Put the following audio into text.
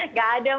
nggak ada mbak